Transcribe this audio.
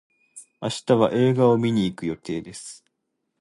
明日は映画を見に行く予定です。